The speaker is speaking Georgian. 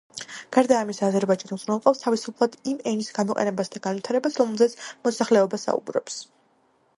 გარდა ამისა, აზერბაიჯანი უზრუნველყოფს თავისუფლად იმ ენის გამოყენებასა და განვითარებას, რომელზეც მოსახლეობა საუბრობს.